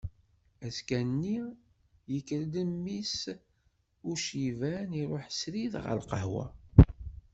Azekka-nni yekker-d mmi-s n uciban iruḥ srid ɣer lqahwa.